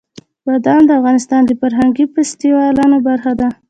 بادام د افغانستان د فرهنګي فستیوالونو برخه ده.